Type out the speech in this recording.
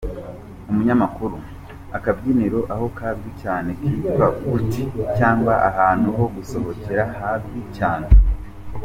Umunyamakuru: Akabyiniro aho kazwi cyane kitwa gute cyangwa ahantu ho gusohokera hazwi cyane?.